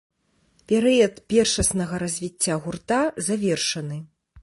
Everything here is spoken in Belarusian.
Перыяд першаснага развіцця гурта завершаны.